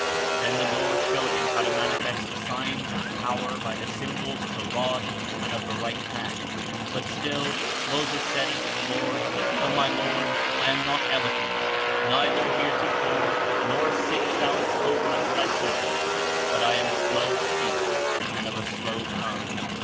Then the Lord showed him how to manifest signs of pow •er by the symbols of the rod and of the right hand, but still ^'Moses said unto the LoRD^ O my Lord, I am not eloquent, neither heretofore nor since thou hast spoken unto thy servant, but I am slow of speech, and of a slow tongue."